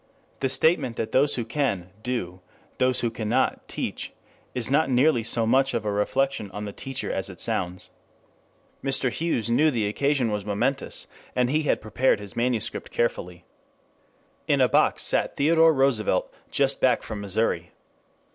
The statement that those who can, do; those who cannot, teach, is not nearly so much of a reflection on the teacher as it sounds. Mr. Hughes knew the occasion was momentous, and he had prepared his manuscript carefully. In a box sat Theodore Roosevelt just back from Missouri.